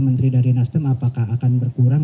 menteri dari nasdem apakah akan berkurang